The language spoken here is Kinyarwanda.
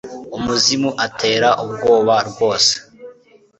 Umuzimu atera ubwoba rwose